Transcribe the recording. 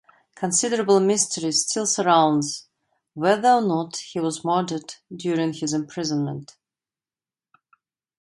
Considerable mystery still surrounds whether or not he was murdered during his imprisonment.